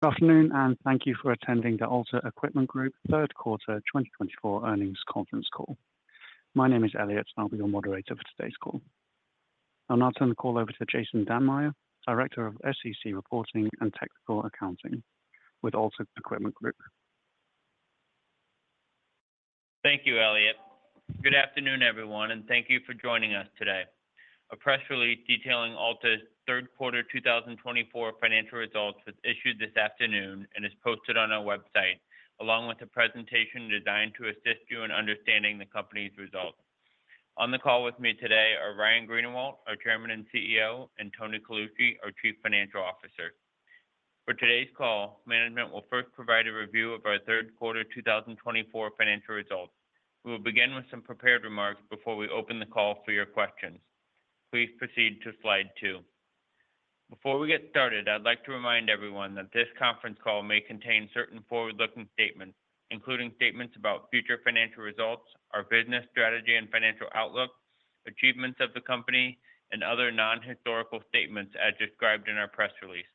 Good afternoon, and thank you for attending the Alta Equipment Group Third Quarter 2024 earnings conference call. My name is Elliott, and I'll be your moderator for today's call. I'll now turn the call over to Jason Dammeyer, Director of SEC Reporting and Technical Accounting with Alta Equipment Group. Thank you, Elliott. Good afternoon, everyone, and thank you for joining us today. A press release detailing Alta's Third Quarter 2024 financial results was issued this afternoon and is posted on our website, along with a presentation designed to assist you in understanding the company's results. On the call with me today are Ryan Greenawalt, our Chairman and CEO, and Tony Colucci, our Chief Financial Officer. For today's call, management will first provide a review of our Third Quarter 2024 financial results. We will begin with some prepared remarks before we open the call for your questions. Please proceed to slide two. Before we get started, I'd like to remind everyone that this conference call may contain certain forward-looking statements, including statements about future financial results, our business strategy and financial outlook, achievements of the company, and other non-historical statements as described in our press release.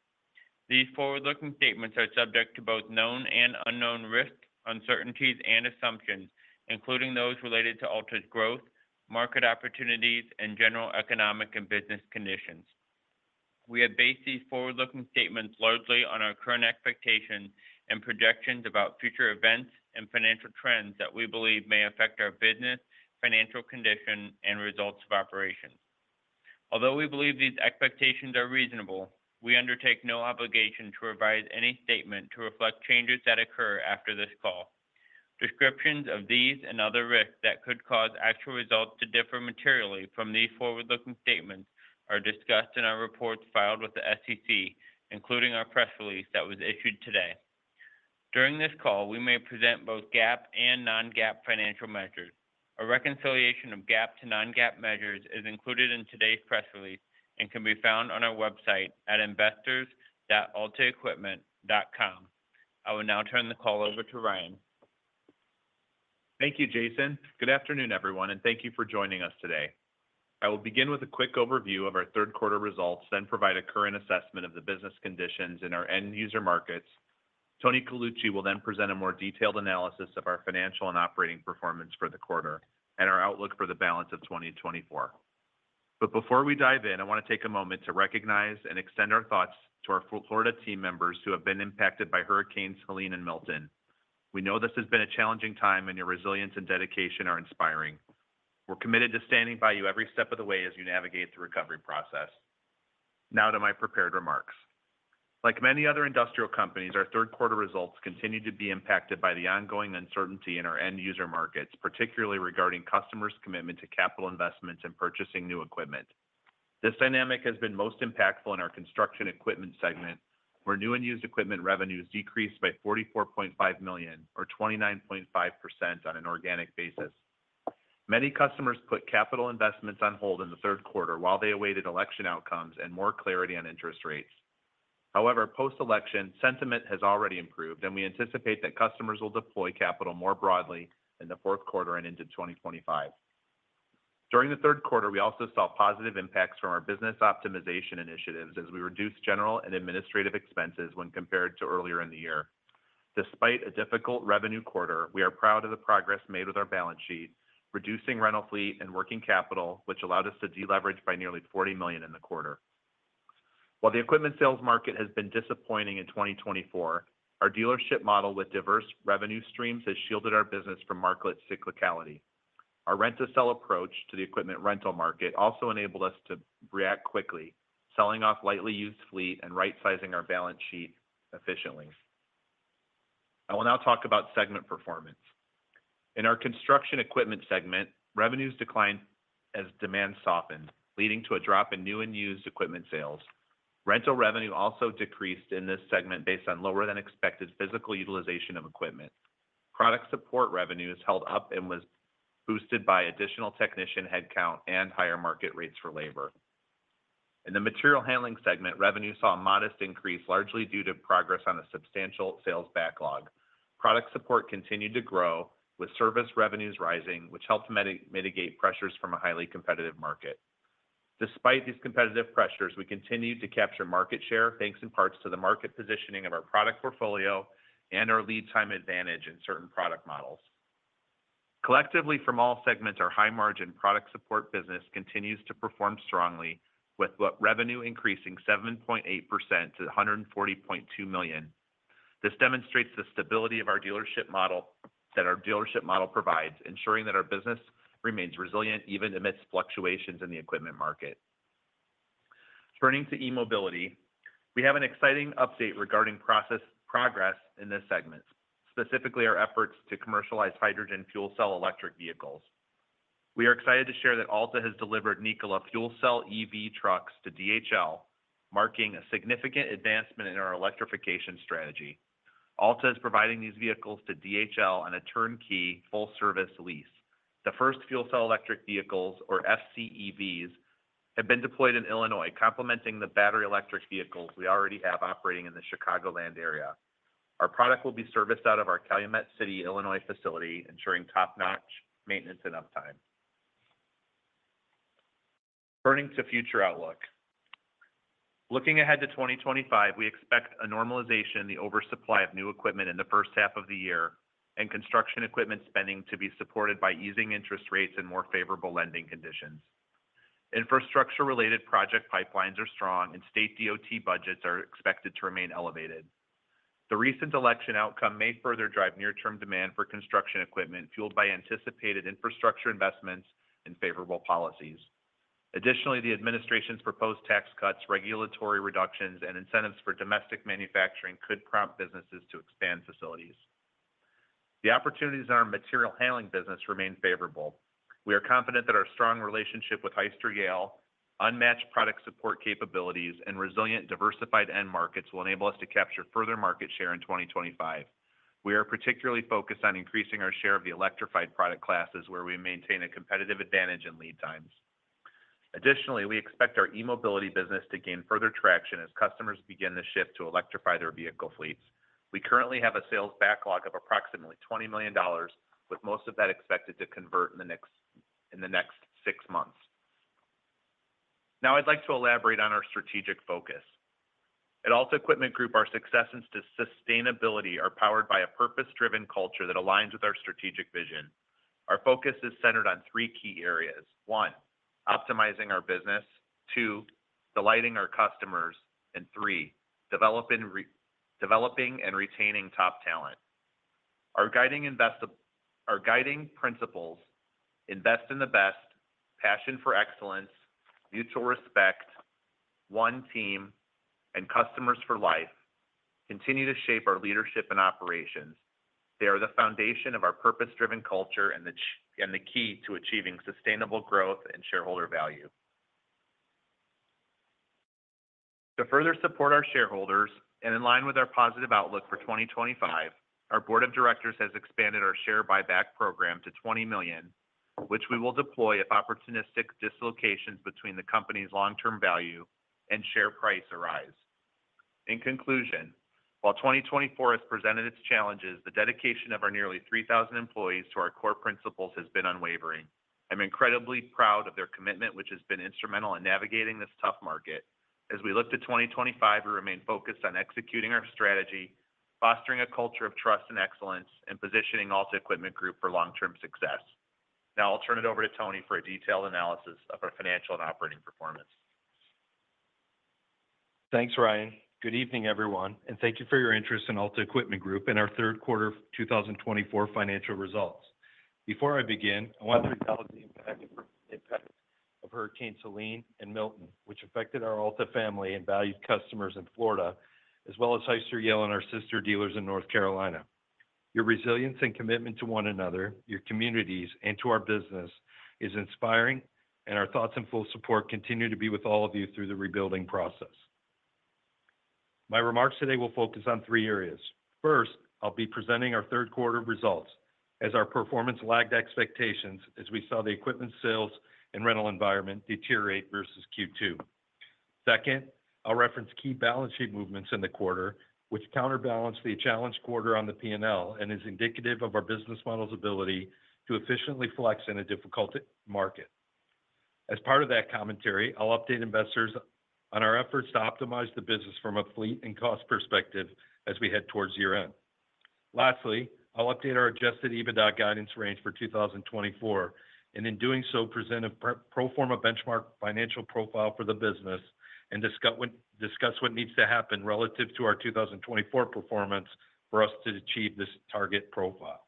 These forward-looking statements are subject to both known and unknown risks, uncertainties, and assumptions, including those related to Alta's growth, market opportunities, and general economic and business conditions. We have based these forward-looking statements largely on our current expectations and projections about future events and financial trends that we believe may affect our business, financial condition, and results of operations. Although we believe these expectations are reasonable, we undertake no obligation to revise any statement to reflect changes that occur after this call. Descriptions of these and other risks that could cause actual results to differ materially from these forward-looking statements are discussed in our reports filed with the SEC, including our press release that was issued today. During this call, we may present both GAAP and non-GAAP financial measures. A reconciliation of GAAP to non-GAAP measures is included in today's press release and can be found on our website at investors.altaequipment.com. I will now turn the call over to Ryan. Thank you, Jason. Good afternoon, everyone, and thank you for joining us today. I will begin with a quick overview of our third quarter results, then provide a current assessment of the business conditions in our end-user markets. Tony Colucci will then present a more detailed analysis of our financial and operating performance for the quarter and our outlook for the balance of 2024. But before we dive in, I want to take a moment to recognize and extend our thoughts to our Florida team members who have been impacted by Hurricanes Helene and Milton. We know this has been a challenging time, and your resilience and dedication are inspiring. We're committed to standing by you every step of the way as you navigate the recovery process. Now to my prepared remarks. Like many other industrial companies, our Third Quarter results continue to be impacted by the ongoing uncertainty in our end-user markets, particularly regarding customers' commitment to capital investments and purchasing new equipment. This dynamic has been most impactful in our construction equipment segment, where new and used equipment revenues decreased by $44.5 million, or 29.5%, on an organic basis. Many customers put capital investments on hold in the Third Quarter while they awaited election outcomes and more clarity on interest rates. However, post-election, sentiment has already improved, and we anticipate that customers will deploy capital more broadly in the Fourth Quarter and into 2025. During the Third Quarter, we also saw positive impacts from our business optimization initiatives as we reduced general and administrative expenses when compared to earlier in the year. Despite a difficult revenue quarter, we are proud of the progress made with our balance sheet, reducing rental fleet and working capital, which allowed us to deleverage by nearly $40 million in the quarter. While the equipment sales market has been disappointing in 2024, our dealership model with diverse revenue streams has shielded our business from market cyclicality. Our rent-to-sell approach to the equipment rental market also enabled us to react quickly, selling off lightly used fleet and right-sizing our balance sheet efficiently. I will now talk about segment performance. In our construction equipment segment, revenues declined as demand softened, leading to a drop in new and used equipment sales. Rental revenue also decreased in this segment based on lower-than-expected physical utilization of equipment. Product support revenues held up and were boosted by additional technician headcount and higher market rates for labor. In the material handling segment, revenue saw a modest increase, largely due to progress on a substantial sales backlog. Product support continued to grow, with service revenues rising, which helped mitigate pressures from a highly competitive market. Despite these competitive pressures, we continued to capture market share, thanks in part to the market positioning of our product portfolio and our lead time advantage in certain product models. Collectively, from all segments, our high-margin product support business continues to perform strongly, with revenue increasing 7.8% to $140.2 million. This demonstrates the stability of our dealership model that our dealership model provides, ensuring that our business remains resilient even amidst fluctuations in the equipment market. Turning to e-mobility, we have an exciting update regarding progress in this segment, specifically our efforts to commercialize hydrogen fuel cell electric vehicles. We are excited to share that Alta has delivered Nikola fuel cell EV trucks to DHL, marking a significant advancement in our electrification strategy. Alta is providing these vehicles to DHL on a turnkey full-service lease. The first fuel cell electric vehicles, or FCEVs, have been deployed in Illinois, complementing the battery electric vehicles we already have operating in the Chicagoland area. Our product will be serviced out of our Calumet City, Illinois, facility, ensuring top-notch maintenance and uptime. Turning to future outlook. Looking ahead to 2025, we expect a normalization in the oversupply of new equipment in the first half of the year and construction equipment spending to be supported by easing interest rates and more favorable lending conditions. Infrastructure-related project pipelines are strong, and state DOT budgets are expected to remain elevated. The recent election outcome may further drive near-term demand for construction equipment fueled by anticipated infrastructure investments and favorable policies. Additionally, the administration's proposed tax cuts, regulatory reductions, and incentives for domestic manufacturing could prompt businesses to expand facilities. The opportunities in our material handling business remain favorable. We are confident that our strong relationship with Hyster-Yale, unmatched product support capabilities, and resilient, diversified end markets will enable us to capture further market share in 2025. We are particularly focused on increasing our share of the electrified product classes, where we maintain a competitive advantage in lead times. Additionally, we expect our e-mobility business to gain further traction as customers begin to shift to electrify their vehicle fleets. We currently have a sales backlog of approximately $20 million, with most of that expected to convert in the next six months. Now, I'd like to elaborate on our strategic focus. At Alta Equipment Group, our success and sustainability are powered by a purpose-driven culture that aligns with our strategic vision. Our focus is centered on three key areas: one, optimizing our business, two, delighting our customers, and three, developing and retaining top talent. Our guiding principles: invest in the best, passion for excellence, mutual respect, one team, and customers for life continue to shape our leadership and operations. They are the foundation of our purpose-driven culture and the key to achieving sustainable growth and shareholder value. To further support our shareholders and in line with our positive outlook for 2025, our board of directors has expanded our share buyback program to 20 million, which we will deploy if opportunistic dislocations between the company's long-term value and share price arise. In conclusion, while 2024 has presented its challenges, the dedication of our nearly 3,000 employees to our core principles has been unwavering. I'm incredibly proud of their commitment, which has been instrumental in navigating this tough market. As we look to 2025, we remain focused on executing our strategy, fostering a culture of trust and excellence, and positioning Alta Equipment Group for long-term success. Now, I'll turn it over to Tony for a detailed analysis of our financial and operating performance. Thanks, Ryan. Good evening, everyone, and thank you for your interest in Alta Equipment Group and our Third Quarter 2024 financial results. Before I begin, I want to acknowledge the impact of Hurricanes Helene and Milton, which affected our Alta family and valued customers in Florida, as well as Hyster-Yale and our sister dealers in North Carolina. Your resilience and commitment to one another, your communities, and to our business is inspiring, and our thoughts and full support continue to be with all of you through the rebuilding process. My remarks today will focus on three areas. First, I'll be presenting our Third Quarter results as our performance lagged expectations as we saw the equipment sales and rental environment deteriorate versus Q2. Second, I'll reference key balance sheet movements in the quarter, which counterbalance the challenged quarter on the P&L and is indicative of our business model's ability to efficiently flex in a difficult market. As part of that commentary, I'll update investors on our efforts to optimize the business from a fleet and cost perspective as we head towards year-end. Lastly, I'll update our Adjusted EBITDA guidance range for 2024 and, in doing so, present a pro forma benchmark financial profile for the business and discuss what needs to happen relative to our 2024 performance for us to achieve this target profile.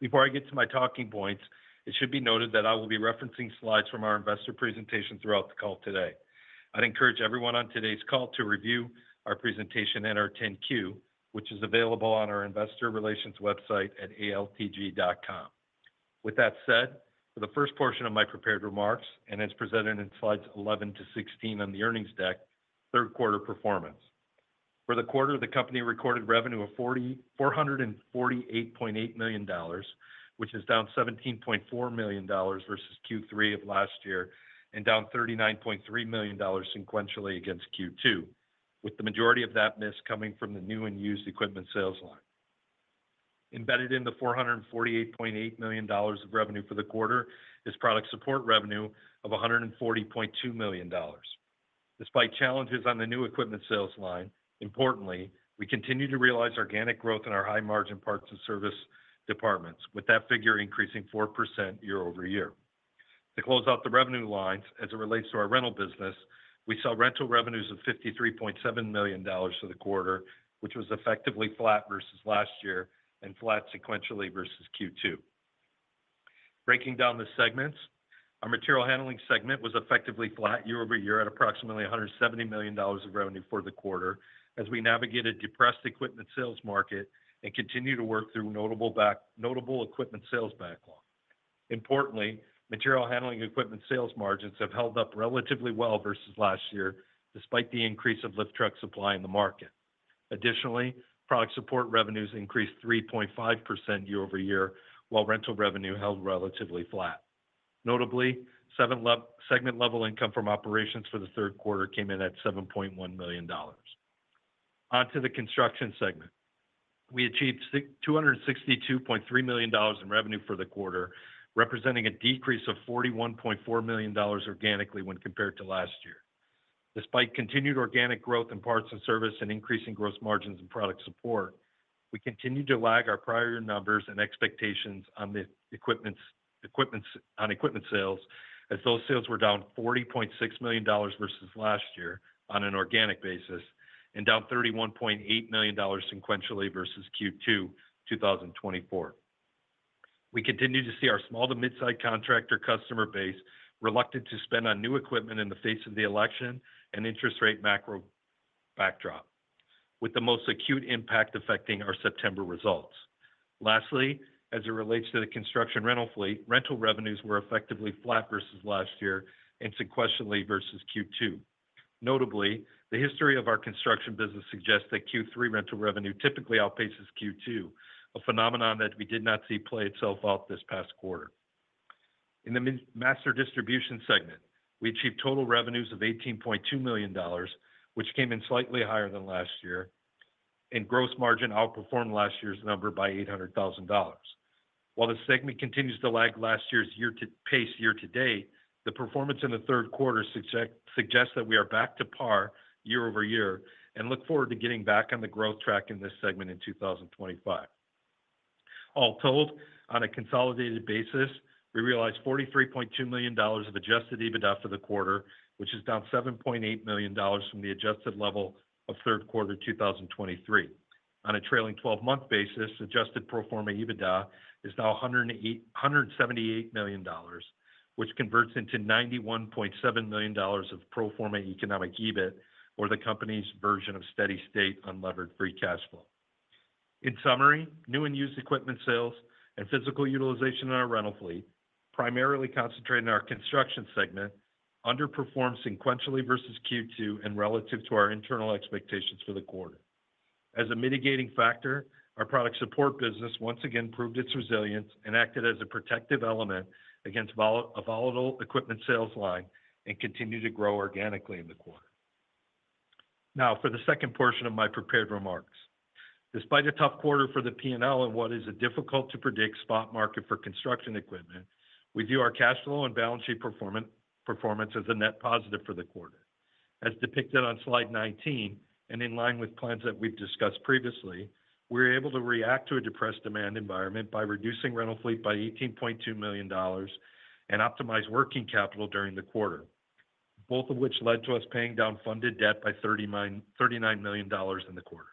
Before I get to my talking points, it should be noted that I will be referencing slides from our investor presentation throughout the call today. I'd encourage everyone on today's call to review our presentation and our 10-Q, which is available on our investor relations website at altg.com. With that said, for the first portion of my prepared remarks, and as presented in slides 11 -16 on the earnings deck: third quarter performance. For the quarter, the company recorded revenue of $448.8 million, which is down $17.4 million versus Q3 of last year and down $39.3 million sequentially against Q2, with the majority of that miss coming from the new and used equipment sales line. Embedded in the $448.8 million of revenue for the quarter is product support revenue of $140.2 million. Despite challenges on the new equipment sales line, importantly, we continue to realize organic growth in our high-margin parts and service departments, with that figure increasing 4% year over year. To close out the revenue lines, as it relates to our rental business, we saw rental revenues of $53.7 million for the quarter, which was effectively flat versus last year and flat sequentially versus Q2. Breaking down the segments, our material handling segment was effectively flat year over year at approximately $170 million of revenue for the quarter as we navigated depressed equipment sales market and continued to work through notable equipment sales backlog. Importantly, material handling equipment sales margins have held up relatively well versus last year, despite the increase of lift truck supply in the market. Additionally, product support revenues increased 3.5% year over year, while rental revenue held relatively flat. Notably, segment-level income from operations for the Third Quarter came in at $7.1 million. Onto the construction segment. We achieved $262.3 million in revenue for the quarter, representing a decrease of $41.4 million organically when compared to last year. Despite continued organic growth in parts and service and increasing gross margins and product support, we continue to lag our prior numbers and expectations on equipment sales, as those sales were down $40.6 million versus last year on an organic basis and down $31.8 million sequentially versus Q2 2024. We continue to see our small to mid-size contractor customer base reluctant to spend on new equipment in the face of the election and interest rate macro backdrop, with the most acute impact affecting our September results. Lastly, as it relates to the construction rental fleet, rental revenues were effectively flat versus last year and sequentially versus Q2. Notably, the history of our construction business suggests that Q3 rental revenue typically outpaces Q2, a phenomenon that we did not see play itself out this past quarter. In the master distribution segment, we achieved total revenues of $18.2 million, which came in slightly higher than last year, and gross margin outperformed last year's number by $800,000. While the segment continues to lag last year's pace year to date, the performance in the Third Quarter suggests that we are back to par year over year and look forward to getting back on the growth track in this segment in 2025. All told, on a consolidated basis, we realized $43.2 million of adjusted EBITDA for the quarter, which is down $7.8 million from the adjusted level of Third Quarter 2023. On a trailing 12-month basis, adjusted pro forma EBITDA is now $178 million, which converts into $91.7 million of pro forma Economic EBIT, or the company's version of steady-state unlevered free cash flow. In summary, new and used equipment sales and physical utilization in our rental fleet, primarily concentrated in our construction segment, underperformed sequentially versus Q2 and relative to our internal expectations for the quarter. As a mitigating factor, our product support business once again proved its resilience and acted as a protective element against a volatile equipment sales line and continued to grow organically in the quarter. Now, for the second portion of my prepared remarks. Despite a tough quarter for the P&L and what is a difficult-to-predict spot market for construction equipment, we view our cash flow and balance sheet performance as a net positive for the quarter. As depicted on slide 19, and in line with plans that we've discussed previously, we were able to react to a depressed demand environment by reducing rental fleet by $18.2 million and optimize working capital during the quarter, both of which led to us paying down funded debt by $39 million in the quarter.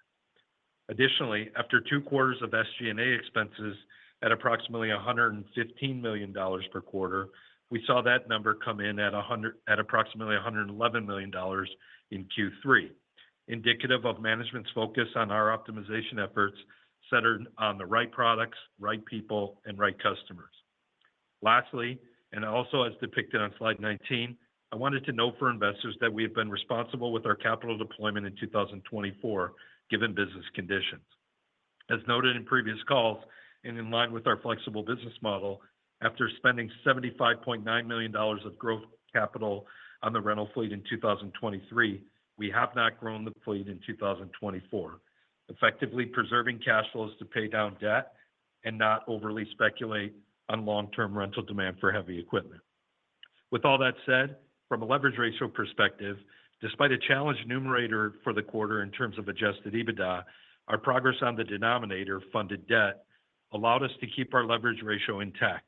Additionally, after two quarters of SG&A expenses at approximately $115 million per quarter, we saw that number come in at approximately $111 million in Q3, indicative of management's focus on our optimization efforts centered on the right products, right people, and right customers. Lastly, and also as depicted on slide 19, I wanted to note for investors that we have been responsible with our capital deployment in 2024, given business conditions. As noted in previous calls and in line with our flexible business model, after spending $75.9 million of growth capital on the rental fleet in 2023, we have not grown the fleet in 2024, effectively preserving cash flows to pay down debt and not overly speculate on long-term rental demand for heavy equipment. With all that said, from a leverage ratio perspective, despite a challenged numerator for the quarter in terms of Adjusted EBITDA, our progress on the denominator, funded debt, allowed us to keep our leverage ratio intact,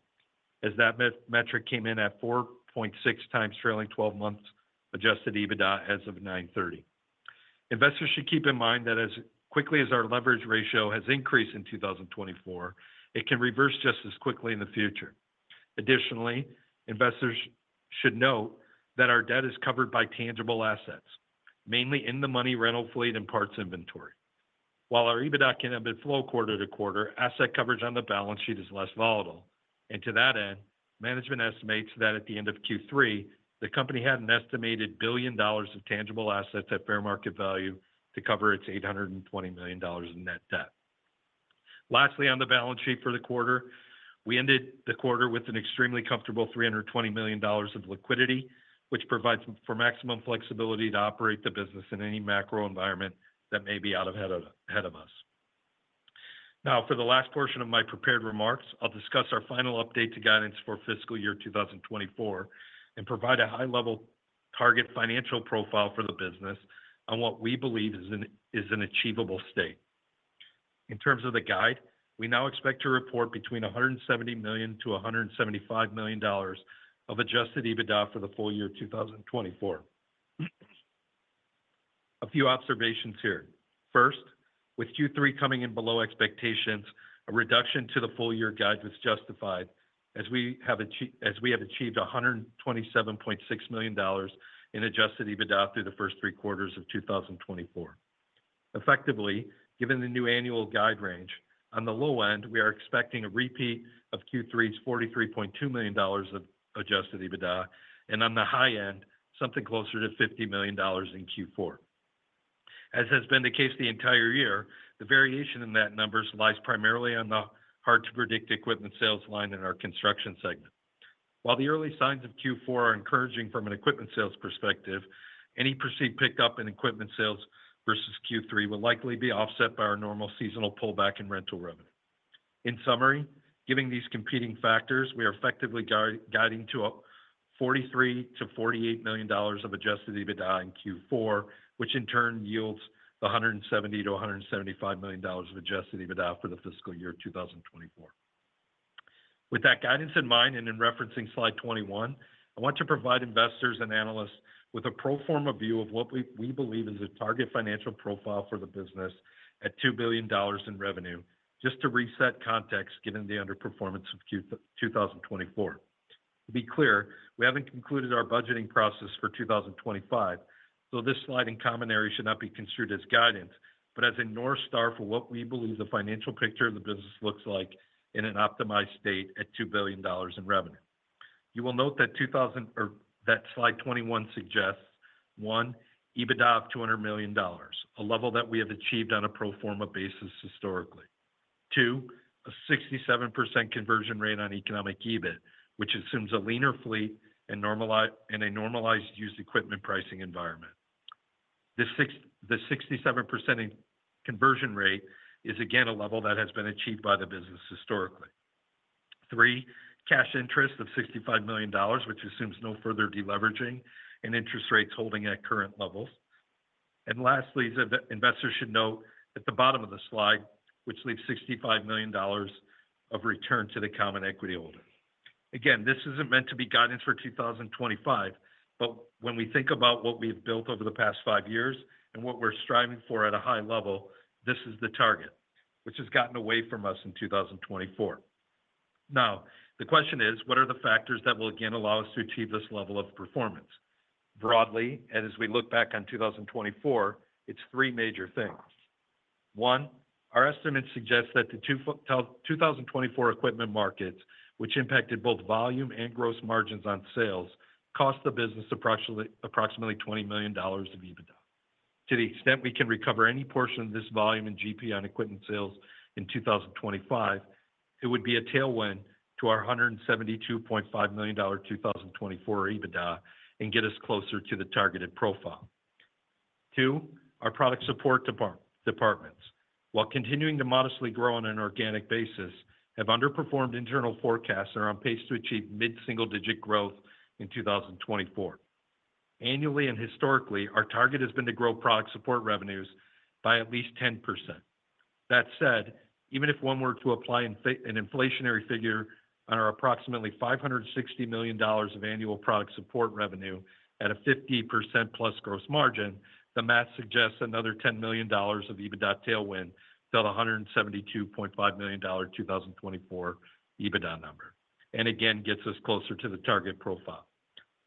as that metric came in at 4.6 times trailing 12 months Adjusted EBITDA as of 9/30. Investors should keep in mind that as quickly as our leverage ratio has increased in 2024, it can reverse just as quickly in the future. Additionally, investors should note that our debt is covered by tangible assets, mainly in-the-money rental fleet and parts inventory. While our EBITDA can fluctuate quarter to quarter, asset coverage on the balance sheet is less volatile. To that end, management estimates that at the end of Q3, the company had an estimated $1 billion of tangible assets at fair market value to cover its $820 million in net debt. Lastly, on the balance sheet for the quarter, we ended the quarter with an extremely comfortable $320 million of liquidity, which provides for maximum flexibility to operate the business in any macro environment that may lie ahead of us. Now, for the last portion of my prepared remarks, I'll discuss our final update to guidance for fiscal year 2024 and provide a high-level target financial profile for the business on what we believe is an achievable steady state. In terms of the guide, we now expect to report between $170 million-$175 million of adjusted EBITDA for the full year 2024. A few observations here. First, with Q3 coming in below expectations, a reduction to the full year guide was justified as we have achieved $127.6 million in adjusted EBITDA through the first three quarters of 2024. Effectively, given the new annual guide range, on the low end, we are expecting a repeat of Q3's $43.2 million of adjusted EBITDA, and on the high end, something closer to $50 million in Q4. As has been the case the entire year, the variation in that numbers lies primarily on the hard-to-predict equipment sales line in our construction segment. While the early signs of Q4 are encouraging from an equipment sales perspective, any perceived pickup in equipment sales versus Q3 will likely be offset by our normal seasonal pullback in rental revenue. In summary, given these competing factors, we are effectively guiding to $43-$48 million of Adjusted EBITDA in Q4, which in turn yields $170-$175 million of Adjusted EBITDA for the fiscal year 2024. With that guidance in mind and in referencing slide 21, I want to provide investors and analysts with a pro forma view of what we believe is a target financial profile for the business at $2 billion in revenue, just to reset context given the underperformance of 2024. To be clear, we haven't concluded our budgeting process for 2025, so this slide and commentary should not be construed as guidance, but as a North Star for what we believe the financial picture of the business looks like in an optimized state at $2 billion in revenue. You will note that slide 21 suggests, one, EBITDA of $200 million, a level that we have achieved on a pro forma basis historically. Two, a 67% conversion rate on economic EBIT, which assumes a leaner fleet and a normalized used equipment pricing environment. The 67% conversion rate is, again, a level that has been achieved by the business historically. Three, cash interest of $65 million, which assumes no further deleveraging and interest rates holding at current levels. And lastly, investors should note at the bottom of the slide, which leaves $65 million of return to the common equity holder. Again, this isn't meant to be guidance for 2025, but when we think about what we have built over the past five years and what we're striving for at a high level, this is the target, which has gotten away from us in 2024. Now, the question is, what are the factors that will again allow us to achieve this level of performance? Broadly, and as we look back on 2024, it's three major things. One, our estimates suggest that the 2024 equipment markets, which impacted both volume and gross margins on sales, cost the business approximately $20 million of EBITDA. To the extent we can recover any portion of this volume in GP on equipment sales in 2025, it would be a tailwind to our $172.5 million 2024 EBITDA and get us closer to the targeted profile. Two, our product support departments, while continuing to modestly grow on an organic basis, have underperformed internal forecasts and are on pace to achieve mid-single-digit growth in 2024. Annually and historically, our target has been to grow product support revenues by at least 10%. That said, even if one were to apply an inflationary figure on our approximately $560 million of annual product support revenue at a 50% plus gross margin, the math suggests another $10 million of EBITDA tailwind to the $172.5 million 2024 EBITDA number, and again, gets us closer to the target profile.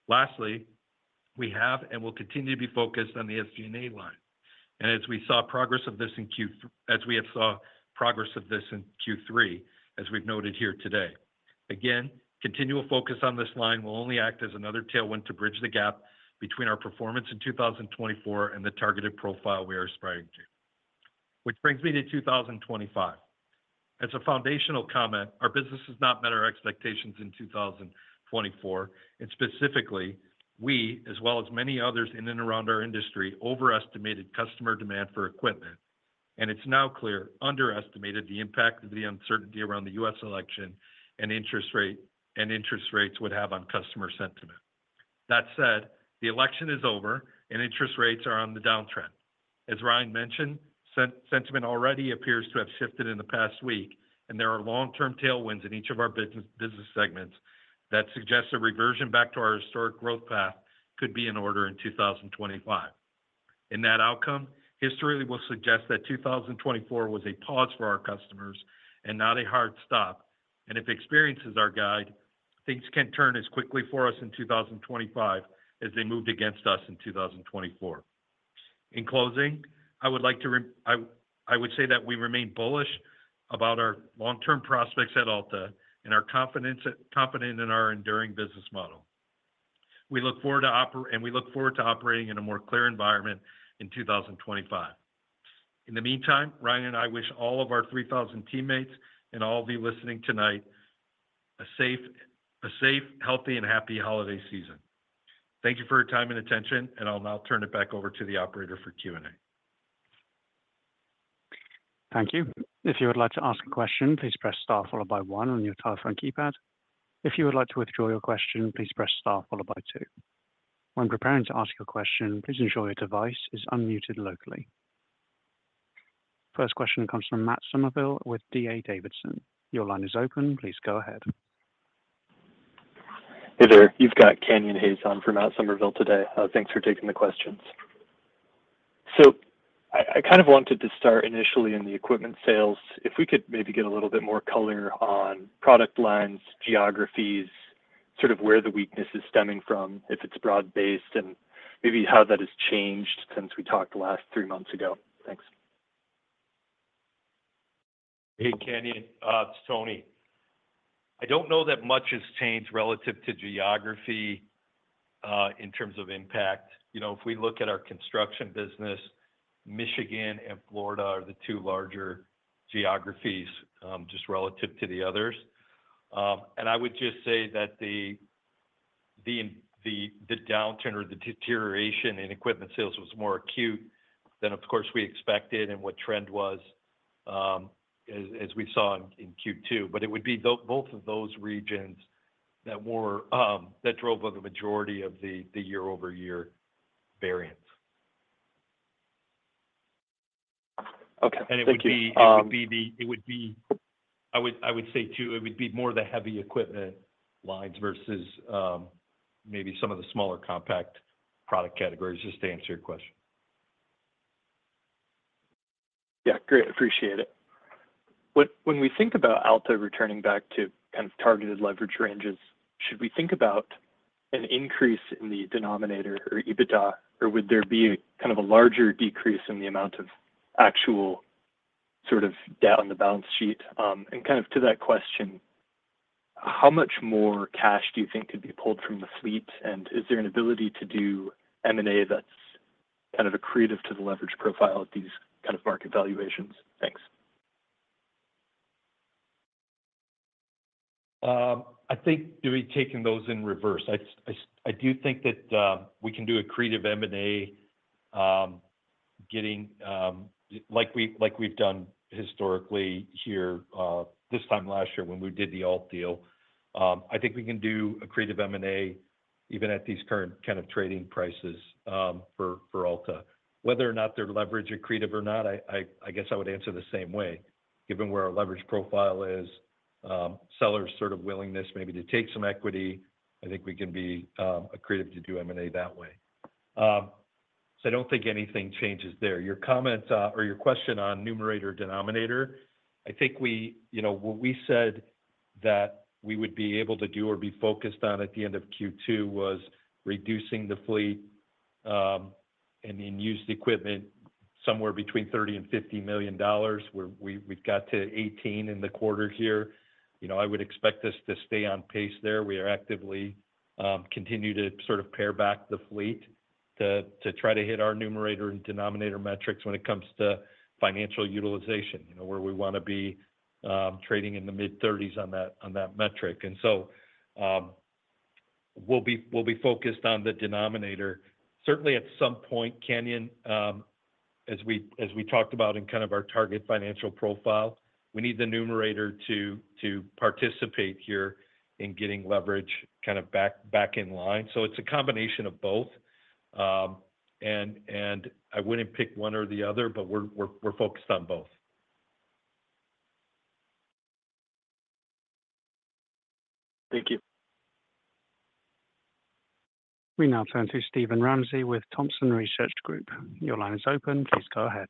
Lastly, we have and will continue to be focused on the SG&A line, and as we saw progress of this in Q3, as we've noted here today. Again, continual focus on this line will only act as another tailwind to bridge the gap between our performance in 2024 and the targeted profile we are aspiring to. Which brings me to 2025. As a foundational comment, our business has not met our expectations in 2024, and specifically, we, as well as many others in and around our industry, overestimated customer demand for equipment, and it's now clear, underestimated the impact of the uncertainty around the U.S. election and interest rate and interest rates would have on customer sentiment. That said, the election is over and interest rates are on the downtrend. As Ryan mentioned, sentiment already appears to have shifted in the past week, and there are long-term tailwinds in each of our business segments that suggest a reversion back to our historic growth path could be in order in 2025. In that outcome, history will suggest that 2024 was a pause for our customers and not a hard stop. And if experience is our guide, things can't turn as quickly for us in 2025 as they moved against us in 2024. In closing, I would like to say that we remain bullish about our long-term prospects at Alta and are confident in our enduring business model. We look forward to operating in a more clear environment in 2025. In the meantime, Ryan and I wish all of our 3,000 teammates and all of you listening tonight a safe, healthy, and happy holiday season. Thank you for your time and attention, and I'll now turn it back over to the operator for Q&A. Thank you. If you would like to ask a question, please press star followed by one on your telephone keypad. If you would like to withdraw your question, please press star followed by two. When preparing to ask your question, please ensure your device is unmuted locally. First question comes from Matt Summerville with D.A. Davidson. Your line is open. Please go ahead. Hey there. You've got Canyon Hays on from Matt Summerville today. Thanks for taking the questions. So I kind of wanted to start initially in the equipment sales. If we could maybe get a little bit more color on product lines, geographies, sort of where the weakness is stemming from, if it's broad-based, and maybe how that has changed since we talked last three months ago. Thanks. Hey, Canyon. It's Tony. I don't know that much has changed relative to geography in terms of impact. You know, if we look at our construction business, Michigan and Florida are the two larger geographies just relative to the others. And I would just say that the downturn or the deterioration in equipment sales was more acute than, of course, we expected and what trend was as we saw in Q2. But it would be both of those regions that drove the majority of the year-over-year variance. Okay. It would be I would say, too, it would be more the heavy equipment lines versus maybe some of the smaller compact product categories, just to answer your question. Yeah. Great. Appreciate it. When we think about Alta returning back to kind of targeted leverage ranges, should we think about an increase in the denominator or EBITDA, or would there be kind of a larger decrease in the amount of actual sort of debt on the balance sheet? And kind of to that question, how much more cash do you think could be pulled from the fleet? And is there an ability to do M&A that's kind of accretive to the leverage profile at these kind of market valuations? Thanks. I think, do we take those in reverse? I do think that we can do accretive M&A getting like we've done historically here, this time last year when we did the Alta deal. I think we can do accretive M&A even at these current kind of trading prices for Alta. Whether or not they're leverage accretive or not, I guess I would answer the same way. Given where our leverage profile is, sellers' sort of willingness maybe to take some equity, I think we can be accretive to do M&A that way. So I don't think anything changes there. Your comment or your question on numerator denominator, I think what we said that we would be able to do or be focused on at the end of Q2 was reducing the fleet and then used equipment somewhere between $30-$50 million. We've got to $18 in the quarter here. You know, I would expect us to stay on pace there. We are actively continuing to sort of pare back the fleet to try to hit our numerator and denominator metrics when it comes to financial utilization, you know, where we want to be trading in the mid-30s on that metric, and so we'll be focused on the denominator. Certainly, at some point, Canyon, as we talked about in kind of our target financial profile, we need the numerator to participate here in getting leverage kind of back in line, so it's a combination of both. And I wouldn't pick one or the other, but we're focused on both. Thank you. We now turn to Steven Ramsey with Thompson Research Group. Your line is open. Please go ahead.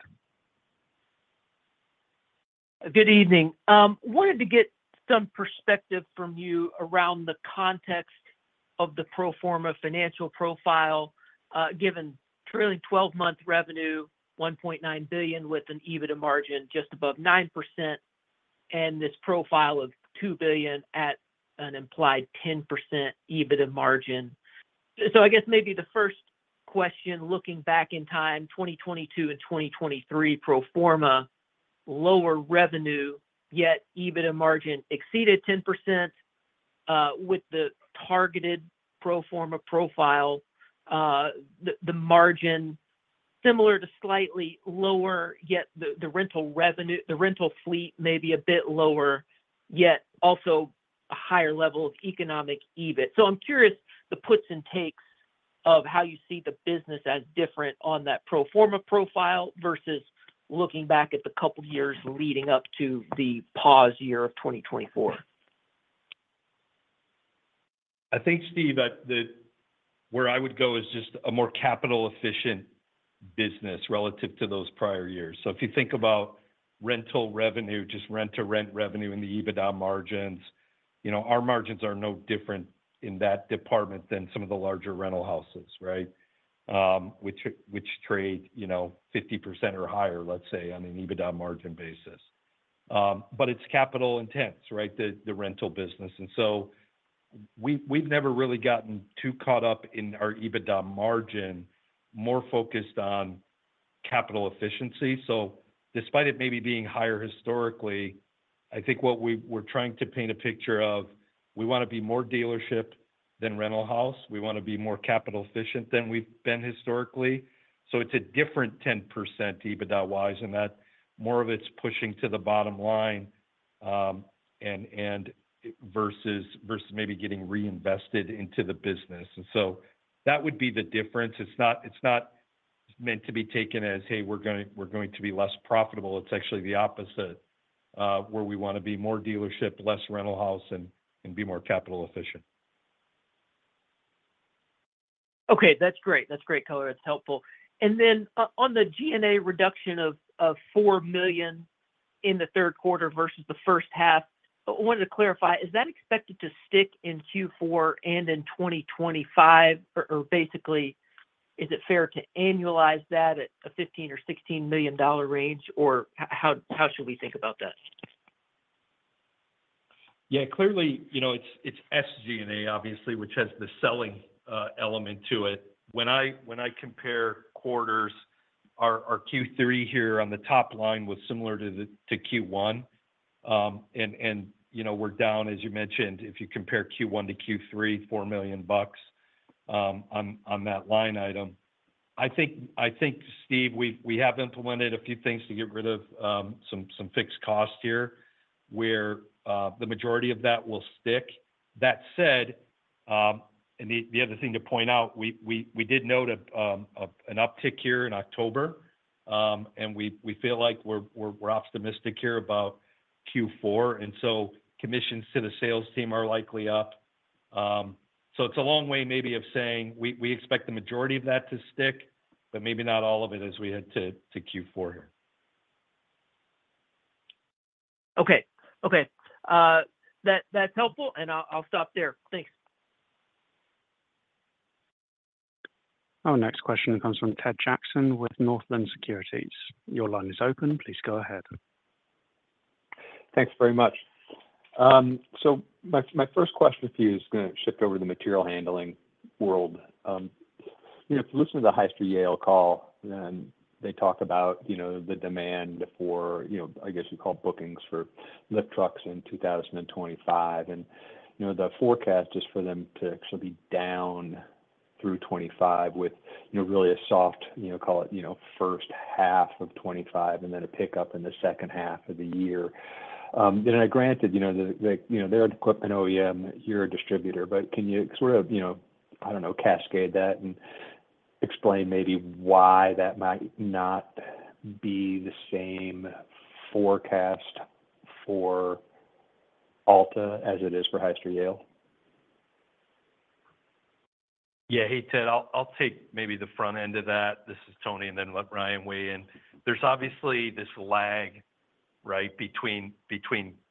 Good evening. Wanted to get some perspective from you around the context of the pro forma financial profile, given trailing 12-month revenue, $1.9 billion with an EBITDA margin just above 9%, and this profile of $2 billion at an implied 10% EBITDA margin. So I guess maybe the first question, looking back in time, 2022 and 2023 pro forma, lower revenue, yet EBITDA margin exceeded 10%. With the targeted pro forma profile, the margin similar to slightly lower, yet the rental fleet may be a bit lower, yet also a higher level of economic EBITDA. So I'm curious the puts and takes of how you see the business as different on that pro forma profile versus looking back at the couple of years leading up to the pause year of 2024. I think, Steve, where I would go is just a more capital-efficient business relative to those prior years. So if you think about rental revenue, just rent-to-rent revenue and the EBITDA margins, you know, our margins are no different in that department than some of the larger rental houses, right, which trade 50% or higher, let's say, on an EBITDA margin basis. But it's capital-intense, right, the rental business. And so we've never really gotten too caught up in our EBITDA margin, more focused on capital efficiency. So despite it maybe being higher historically, I think what we're trying to paint a picture of, we want to be more dealership than rental house. We want to be more capital-efficient than we've been historically. So it's a different 10% EBITDA-wise, and that more of it's pushing to the bottom line versus maybe getting reinvested into the business. And so that would be the difference. It's not meant to be taken as, hey, we're going to be less profitable. It's actually the opposite, where we want to be more dealership, less rental house, and be more capital-efficient. Okay. That's great. That's great, Color. That's helpful. And then on the G&A reduction of $4 million in the third quarter versus the first half, I wanted to clarify, is that expected to stick in Q4 and in 2025? Or basically, is it fair to annualize that at a $15 or $16 million range, or how should we think about that? Yeah. Clearly, you know, it's SG&A, obviously, which has the selling element to it. When I compare quarters, our Q3 here on the top line was similar to Q1, and, you know, we're down, as you mentioned, if you compare Q1 to Q3, $4 million on that line item. I think, Steve, we have implemented a few things to get rid of some fixed costs here, where the majority of that will stick. That said, and the other thing to point out, we did note an uptick here in October, and we feel like we're optimistic here about Q4, and so commissions to the sales team are likely up. So it's a long way maybe of saying we expect the majority of that to stick, but maybe not all of it as we head to Q4 here. Okay. Okay. That's helpful, and I'll stop there. Thanks. Our next question comes from Ted Jackson with Northland Securities. Your line is open. Please go ahead. Thanks very much. So my first question for you is going to shift over to the material handling world. You know, if you listen to the Hyster Yale call, then they talk about, you know, the demand for, you know, I guess you call it bookings for lift trucks in 2025. And, you know, the forecast is for them to actually be down through 2025 with, you know, really a soft, you know, call it, you know, first half of 2025 and then a pickup in the second half of the year. And, granted, you know, they're an OEM, you're a distributor, but can you sort of, you know, I don't know, cascade that and explain maybe why that might not be the same forecast for Alta as it is for Hyster Yale? Yeah. Hey, Ted, I'll take maybe the front end of that. This is Tony, and then let Ryan weigh in. There's obviously this lag, right, between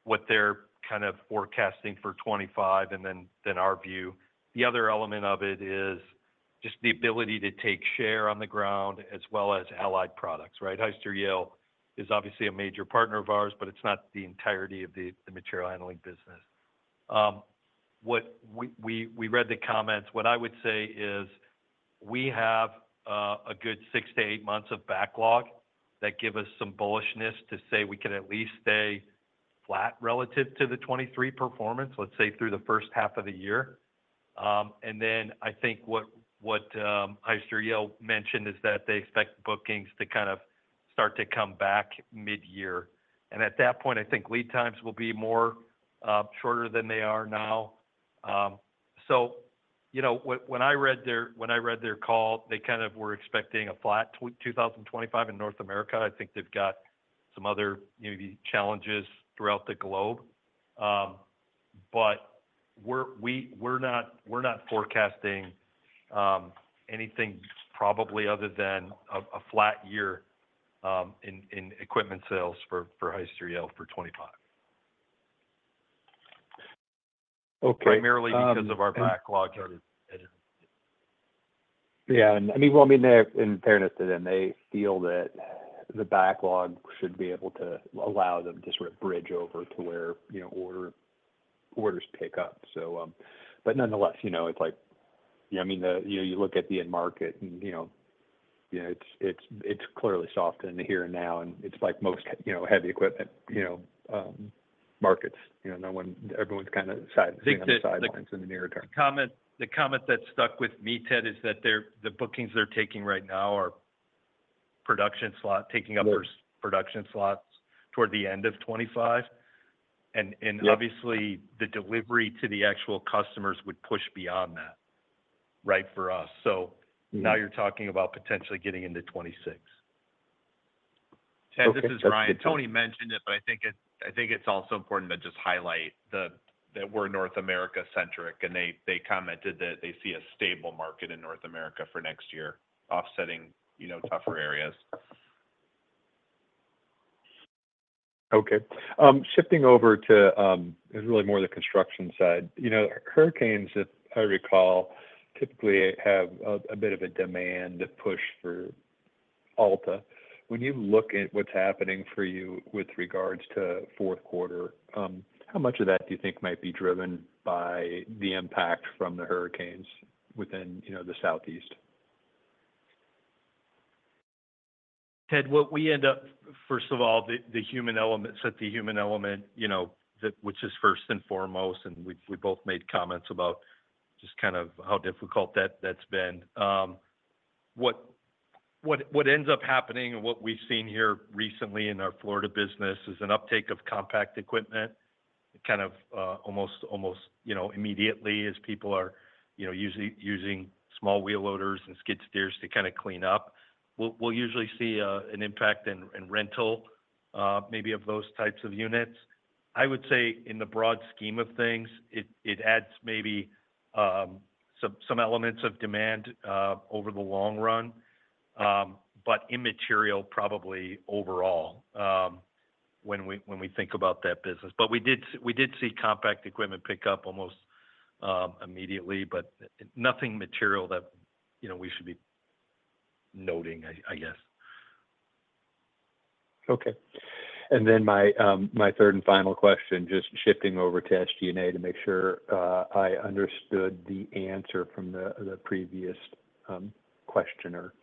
what they're kind of forecasting for 2025 and then our view. The other element of it is just the ability to take share on the ground as well as allied products, right? Hyster-Yale is obviously a major partner of ours, but it's not the entirety of the material handling business. We read the comments. What I would say is we have a good six to eight months of backlog that give us some bullishness to say we can at least stay flat relative to the 2023 performance, let's say, through the first half of the year. Then I think what Hyster-Yale mentioned is that they expect bookings to kind of start to come back mid-year. At that point, I think lead times will be shorter than they are now. So, you know, when I read their call, they kind of were expecting a flat 2025 in North America. I think they've got some other maybe challenges throughout the globe. But we're not forecasting anything probably other than a flat year in equipment sales for Hyster-Yale for 2025. Okay. Primarily because of our backlog. Yeah. I mean, well, I mean, in fairness to them, they feel that the backlog should be able to allow them to sort of bridge over to where orders pick up. So, but nonetheless, you know, it's like, you know, I mean, you look at the end market and, you know, it's clearly soft in the here and now, and it's like most heavy equipment, you know, markets. You know, everyone's kind of sidelines in the near term. The comment that stuck with me, Ted, is that the bookings they're taking right now are production slots, taking up production slots toward the end of 2025, and obviously, the delivery to the actual customers would push beyond that, right, for us, so now you're talking about potentially getting into 2026. Ted, this is Ryan. Tony mentioned it, but I think it's also important to just highlight that we're North America-centric, and they commented that they see a stable market in North America for next year, offsetting, you know, tougher areas. Okay. Shifting over to really more the construction side. You know, hurricanes, if I recall, typically have a bit of a demand push for Alta. When you look at what's happening for you with regards to fourth quarter, how much of that do you think might be driven by the impact from the hurricanes within, you know, the southeast? Ted, what we end up, first of all, the human element, set the human element, you know, which is first and foremost, and we both made comments about just kind of how difficult that's been. What ends up happening and what we've seen here recently in our Florida business is an uptake of compact equipment kind of almost, you know, immediately as people are, you know, using small wheel loaders and skid steers to kind of clean up. We'll usually see an impact in rental maybe of those types of units. I would say in the broad scheme of things, it adds maybe some elements of demand over the long run, but immaterial probably overall when we think about that business. But we did see compact equipment pick up almost immediately, but nothing material that, you know, we should be noting, I guess. Okay. And then my third and final question, just shifting over to SG&A to make sure I understood the answer from the previous questioner.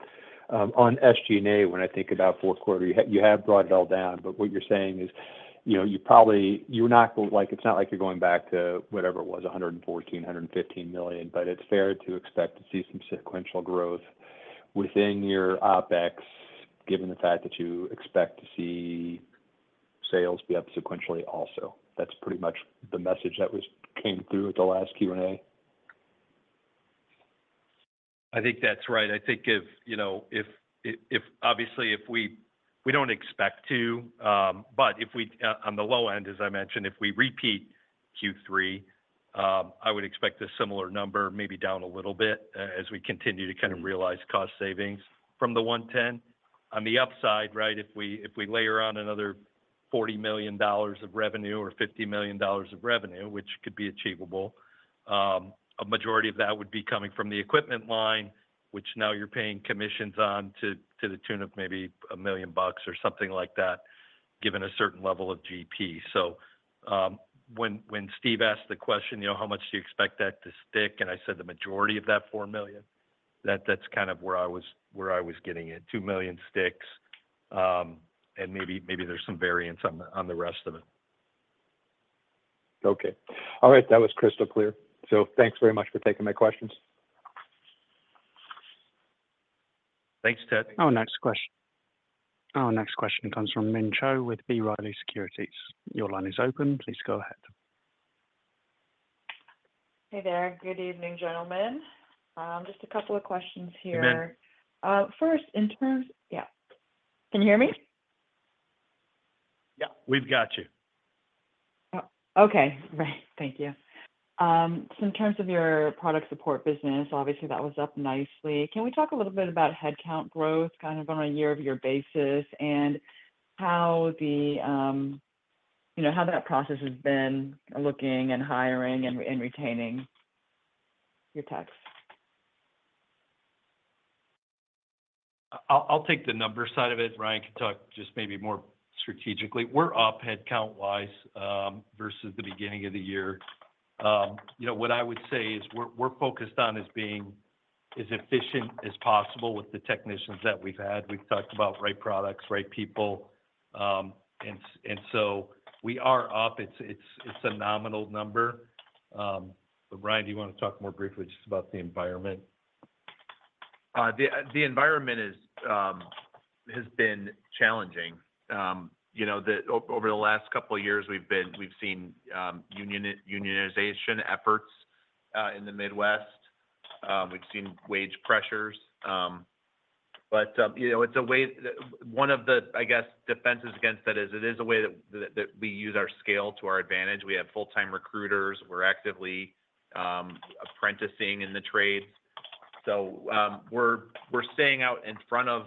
On SG&A, when I think about fourth quarter, you have brought it all down, but what you're saying is, you know, you probably are not going back to whatever it was, $114-$115 million, but it's fair to expect to see some sequential growth within your OPEX, given the fact that you expect to see sales be up sequentially also. That's pretty much the message that came through at the last Q&A. I think that's right. I think if, you know, obviously, if we don't expect to, but if we on the low end, as I mentioned, if we repeat Q3, I would expect a similar number, maybe down a little bit as we continue to kind of realize cost savings from the $110. On the upside, right, if we layer on another $40 million of revenue or $50 million of revenue, which could be achievable, a majority of that would be coming from the equipment line, which now you're paying commissions on to the tune of maybe $1 million or something like that, given a certain level of GP. So when Steve asked the question, you know, how much do you expect that to stick? I said the majority of that $4 million, that's kind of where I was getting it, $2 million sticks, and maybe there's some variance on the rest of it. Okay. All right. That was crystal clear. So thanks very much for taking my questions. Thanks, Ted. Our next question. Our next question comes from Min Cho with B. Riley Securities. Your line is open. Please go ahead. Hey there. Good evening, gentlemen. Just a couple of questions here. First, in terms. Can you hear me? Yeah. We've got you. Okay. Right. Thank you. So in terms of your product support business, obviously, that was up nicely. Can we talk a little bit about headcount growth kind of on a year-over-year basis and how the, you know, how that process has been looking and hiring and retaining your techs? I'll take the numbers side of it. Ryan can talk just maybe more strategically. We're up headcount-wise versus the beginning of the year. You know, what I would say is we're focused on as being as efficient as possible with the technicians that we've had. We've talked about right products, right people. And so we are up. It's a nominal number. But Ryan, do you want to talk more briefly just about the environment? The environment has been challenging. You know, over the last couple of years, we've seen unionization efforts in the Midwest. We've seen wage pressures. But, you know, it's a way one of the, I guess, defenses against that is it is a way that we use our scale to our advantage. We have full-time recruiters. We're actively apprenticing in the trades. So we're staying out in front of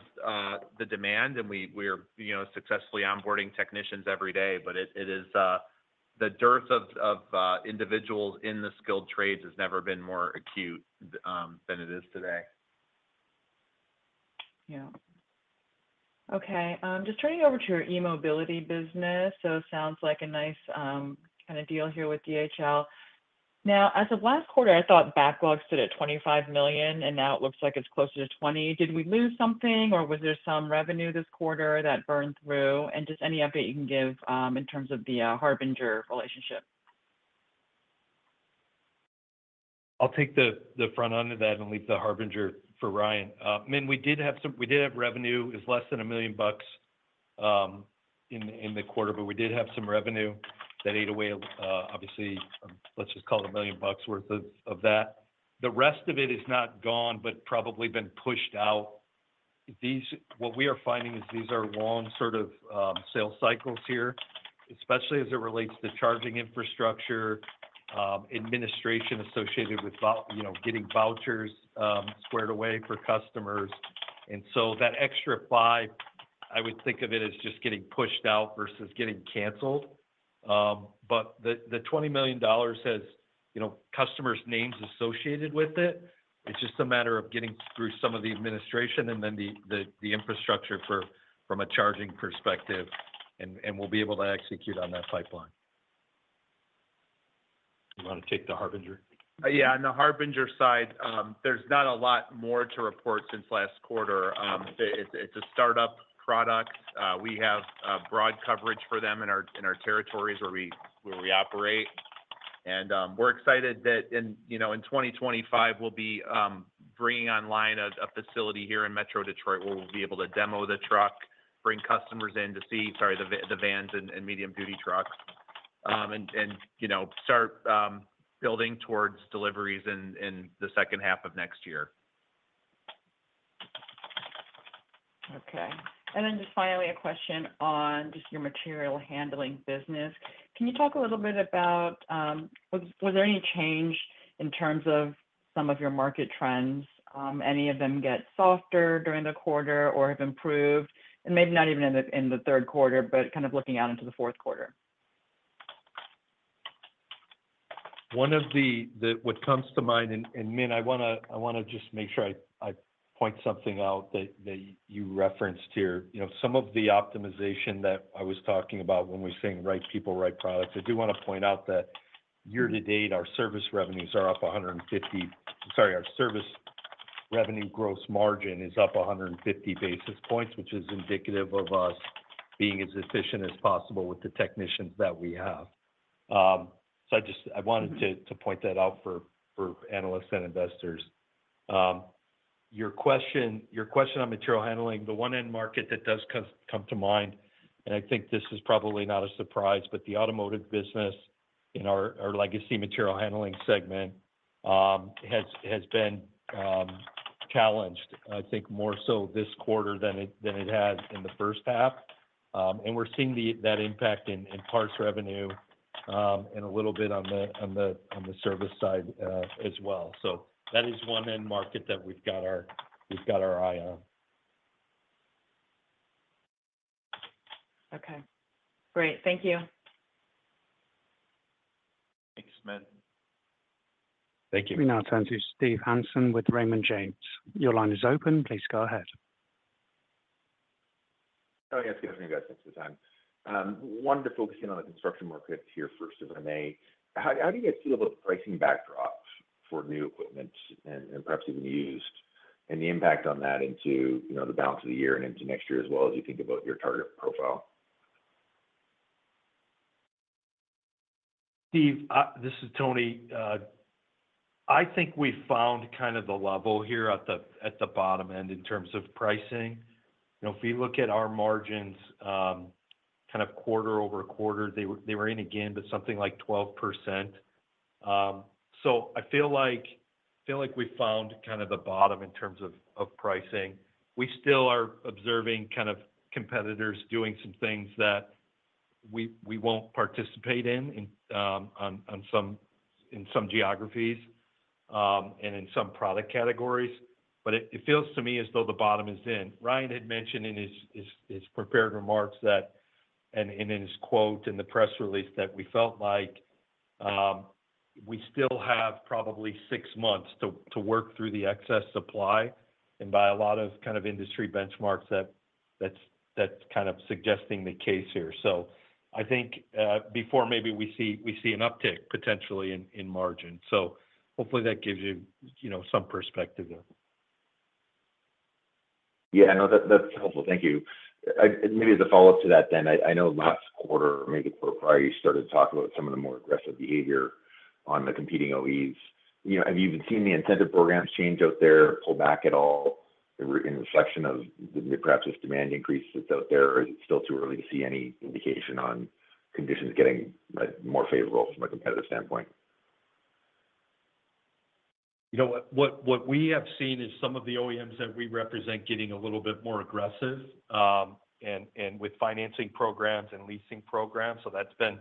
the demand, and we are, you know, successfully onboarding technicians every day. But it is the dearth of individuals in the skilled trades has never been more acute than it is today. Yeah. Okay. Just turning over to your e-mobility business. So it sounds like a nice kind of deal here with DHL. Now, as of last quarter, I thought backlog stood at $25 million, and now it looks like it's closer to $20 million. Did we lose something, or was there some revenue this quarter that burned through? And just any update you can give in terms of the Harbinger relationship? I'll take the front end of that and leave the Harbinger for Ryan. I mean, we did have some revenue. It was less than $1 million in the quarter, but we did have some revenue that ate away, obviously. Let's just call it $1 million worth of that. The rest of it is not gone, but probably been pushed out. What we are finding is these are long sort of sales cycles here, especially as it relates to charging infrastructure, administration associated with, you know, getting vouchers squared away for customers. And so that extra 5, I would think of it as just getting pushed out versus getting canceled. But the $20 million has, you know, customers' names associated with it. It's just a matter of getting through some of the administration and then the infrastructure from a charging perspective, and we'll be able to execute on that pipeline. You want to take the Harbinger? Yeah. On the Harbinger side, there's not a lot more to report since last quarter. It's a startup product. We have broad coverage for them in our territories where we operate, and we're excited that, you know, in 2025, we'll be bringing online a facility here in Metro Detroit where we'll be able to demo the truck, bring customers in to see, sorry, the vans and medium-duty trucks, and, you know, start building towards deliveries in the second half of next year. Okay. And then just finally, a question on just your material handling business. Can you talk a little bit about was there any change in terms of some of your market trends? Any of them get softer during the quarter or have improved? And maybe not even in the third quarter, but kind of looking out into the fourth quarter. One of the things that comes to mind, Min. I want to just make sure I point something out that you referenced here. You know, some of the optimization that I was talking about when we're saying right people, right products. I do want to point out that year-to-date, our service revenues are up 150. Sorry, our service revenue gross margin is up 150 basis points, which is indicative of us being as efficient as possible with the technicians that we have. So I just wanted to point that out for analysts and investors. Your question on material handling, the one end market that does come to mind, and I think this is probably not a surprise, but the automotive business in our legacy material handling segment has been challenged, I think, more so this quarter than it had in the first half. And we're seeing that impact in parts revenue and a little bit on the service side as well. So that is one end market that we've got our eye on. Okay. Great. Thank you. Thanks, Min. Thank you. We now turn to Steve Hansen with Raymond James. Your line is open. Please go ahead. Oh, yes. Good afternoon, guys. Thanks for the time. I wanted to focus in on the construction market here first, if I may. How do you guys feel about the pricing backdrop for new equipment and perhaps even used, and the impact on that into, you know, the balance of the year and into next year as well as you think about your target profile? Steve, this is Tony. I think we found kind of the level here at the bottom end in terms of pricing. You know, if we look at our margins, kind of quarter over quarter, they were in again with something like 12%. So I feel like we found kind of the bottom in terms of pricing. We still are observing kind of competitors doing some things that we won't participate in in some geographies and in some product categories. But it feels to me as though the bottom is in. Ryan had mentioned in his prepared remarks that and in his quote in the press release that we felt like we still have probably six months to work through the excess supply and buy a lot of kind of industry benchmarks that's kind of suggesting the case here. So I think before maybe we see an uptick potentially in margin. So hopefully that gives you, you know, some perspective there. Yeah. No, that's helpful. Thank you. Maybe as a follow-up to that, then, I know last quarter, maybe quarter prior, you started to talk about some of the more aggressive behavior on the competing OEs. You know, have you even seen the incentive programs change out there, pull back at all in the reflection of perhaps this demand increase that's out there? Or is it still too early to see any indication on conditions getting more favorable from a competitive standpoint? You know, what we have seen is some of the OEMs that we represent getting a little bit more aggressive with financing programs and leasing programs. So that's been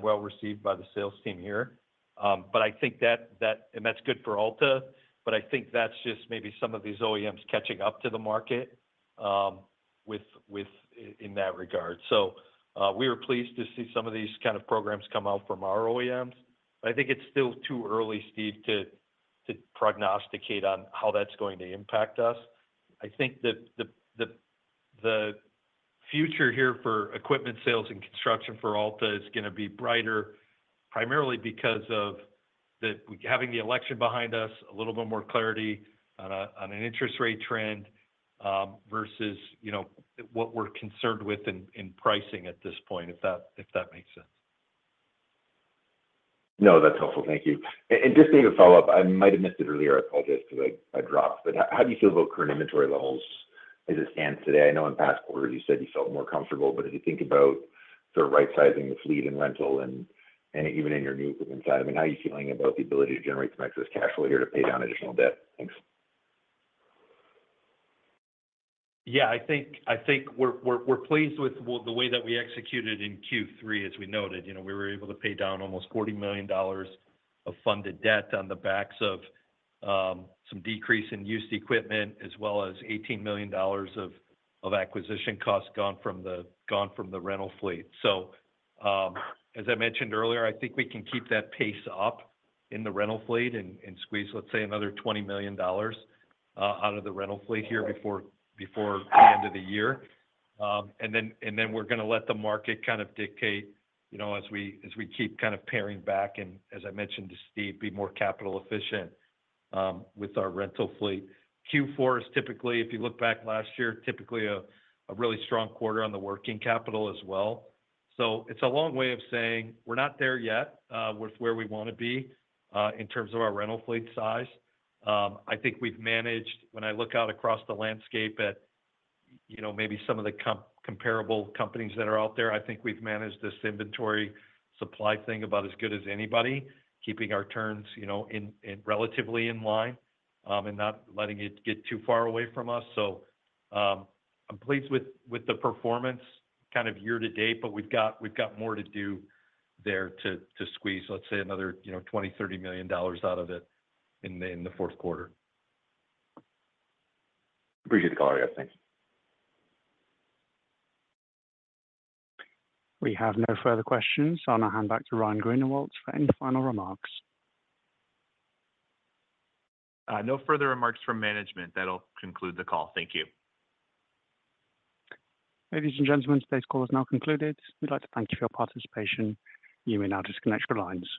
well received by the sales team here. But I think that, and that's good for Alta, but I think that's just maybe some of these OEMs catching up to the market in that regard. So we were pleased to see some of these kind of programs come out from our OEMs. But I think it's still too early, Steve, to prognosticate on how that's going to impact us. I think the future here for equipment sales and construction for Alta is going to be brighter, primarily because of having the election behind us, a little bit more clarity on an interest rate trend versus, you know, what we're concerned with in pricing at this point, if that makes sense. No, that's helpful. Thank you. And just to make a follow-up, I might have missed it earlier. I apologize because I dropped. But how do you feel about current inventory levels as it stands today? I know in past quarters, you said you felt more comfortable. But if you think about sort of right-sizing the fleet and rental and even in your new equipment side, I mean, how are you feeling about the ability to generate some excess cash flow here to pay down additional debt? Thanks. Yeah. I think we're pleased with the way that we executed in Q3, as we noted. You know, we were able to pay down almost $40 million of funded debt on the backs of some decrease in used equipment, as well as $18 million of acquisition costs gone from the rental fleet. So as I mentioned earlier, I think we can keep that pace up in the rental fleet and squeeze, let's say, another $20 million out of the rental fleet here before the end of the year. And then we're going to let the market kind of dictate, you know, as we keep kind of paring back and, as I mentioned to Steve, be more capital efficient with our rental fleet. Q4 is typically, if you look back last year, typically a really strong quarter on the working capital as well. So it's a long way of saying we're not there yet with where we want to be in terms of our rental fleet size. I think we've managed, when I look out across the landscape at, you know, maybe some of the comparable companies that are out there, I think we've managed this inventory supply thing about as good as anybody, keeping our turns, you know, relatively in line and not letting it get too far away from us. So I'm pleased with the performance kind of year-to-date, but we've got more to do there to squeeze, let's say, another, you know, $20-$30 million out of it in the fourth quarter. Appreciate the call, guys. Thanks. We have no further questions. So I'll now hand back to Ryan Greenawalt for any final remarks. No further remarks from management. That'll conclude the call. Thank you. Ladies and gentlemen, today's call is now concluded. We'd like to thank you for your participation. You may now disconnect your lines.